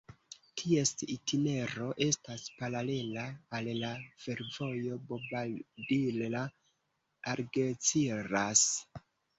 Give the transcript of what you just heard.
Ties itinero estas paralela al la fervojo Bobadilla-Algeciras.